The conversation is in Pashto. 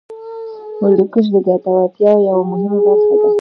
هندوکش د ګټورتیا یوه مهمه برخه ده.